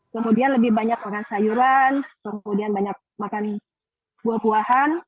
kemudian lebih banyak makan sayuran kemudian banyak makan buah buahan